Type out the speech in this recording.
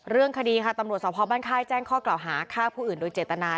เรื่องคดีค่ะตำรวจสภบ้านค่ายแจ้งข้อกล่าวหาฆ่าผู้อื่นโดยเจตนา